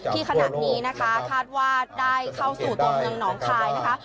ขณะนี้นะคะคาดว่าได้เข้าสู่ตัวเมืองหนองคายนะคะ